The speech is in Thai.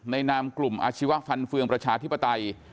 นามกลุ่มอาชีวะฟันเฟืองประชาธิปไตย